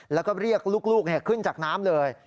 แล้วก็เรียกลูกขึ้นจากน้ำเลย